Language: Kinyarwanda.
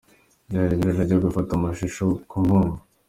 Byari ibirori ajya gufata amashusho ku Nkombo.